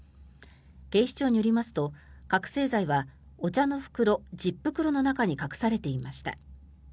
警視庁によりますと覚醒剤はお茶の袋１０袋の中に隠されていました。